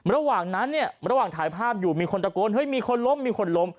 ระหว่างนั้นเนี่ยระหว่างถ่ายภาพอยู่มีคนตะโกนเฮ้ยมีคนล้มมีคนล้ม